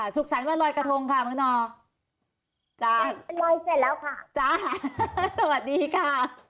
สุขสัญวันรอยกระทงค่ะมึงนอจ้ะรอยเสร็จแล้วค่ะจ้ะสวัสดีค่ะ